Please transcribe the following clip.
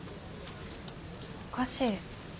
おかしい。